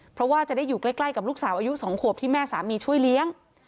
เพราะว่าจะได้อยู่ใกล้กับลูกสาวอายุ๒ขวบที่แม่สามีช่วยเลี้ยง